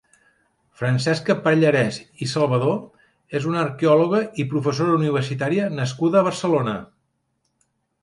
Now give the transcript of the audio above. Francesca Pallarès i Salvador és una arqueòloga i professora universitària nascuda a Barcelona.